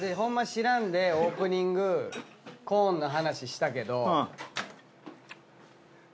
知らんでオープニングコーンの話したけど。